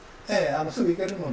すぐ行けるので。